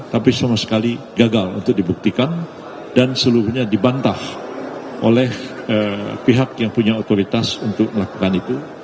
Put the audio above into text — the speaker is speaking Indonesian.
tapi sama sekali gagal untuk dibuktikan dan seluruhnya dibantah oleh pihak yang punya otoritas untuk melakukan itu